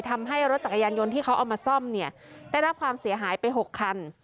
ทำให้รถจักรยานยนต์ที่เขาเอามาซ่อมเนี่ยได้รับความเสียหายไป๖คัน